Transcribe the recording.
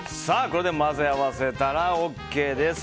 これで混ぜ合わせたらＯＫです。